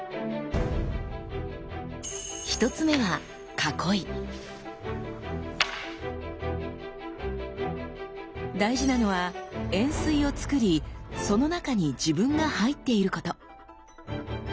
１つ目は大事なのは円錐をつくりその中に自分が入っていること。